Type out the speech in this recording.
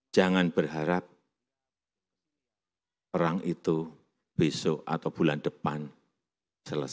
jangan berharap perang itu besok atau bulan depan selesai